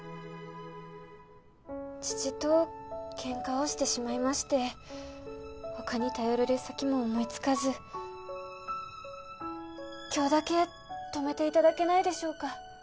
父とケンカをしてしまいまして他に頼れる先も思いつかず今日だけ泊めていただけないでしょうか？